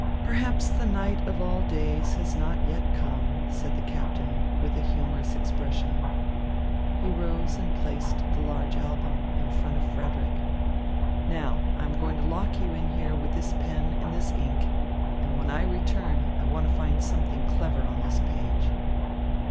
"Perhaps the night of all days has not yet come," said the captain, with a humorous expression. He rose and placed the large album in front of Frederick. "Now I am going to lock you in here with this pen and this ink, and when I return, I want to find something clever on this page."